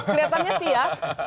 kelihatannya sih ya